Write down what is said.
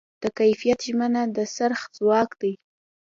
د کیفیت ژمنه د خرڅ ځواک دی.